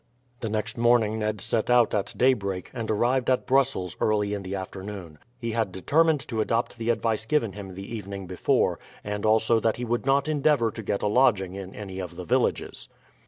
The next morning Ned set out at daybreak, and arrived at Brussels early in the afternoon. He had determined to adopt the advice given him the evening before; and also that he would not endeavour to get a lodging in any of the villages.